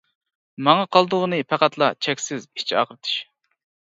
ماڭا قالدۇرغىنى پەقەتلا چەكسىز ئىچ ئاغرىتىش.